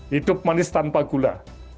hidup manis tanpa gula